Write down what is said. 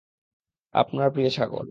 আপনার প্রিয় ছাগল।